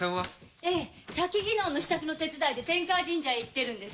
えぇ薪能の支度の手伝いで天河神社へ行ってるんです。